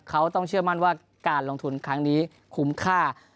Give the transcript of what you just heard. เขาต้องเชื่อมั่นว่าการลงทุนครั้งนี้คุ้มค่า